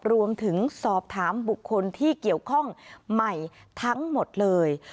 รวมถึงสอบถามบุคคลที่เกี่ยวข้องใหม่ทั้งหมดเลย